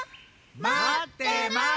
まってます！